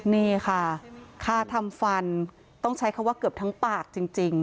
นี่ค่ะค่าทำฟันต้องใช้คำว่าเกือบทั้งปากจริง